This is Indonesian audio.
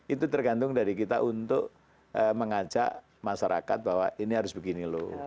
itu tergantung dari kita untuk mengajak masyarakat bahwa ini harus begini loh